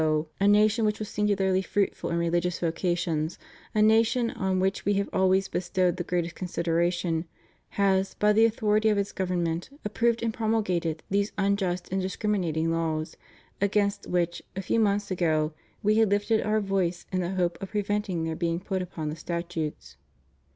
a nation which was singularly fruitful in religious vocations, a nation on which We have always bestowed the greatest consideration, has, by the authority of its government, approved and promulgated these unjust and discriminating laws, against which, a few months ago, We had lifted Our voice in the hope of preventing their being put upon the statutes.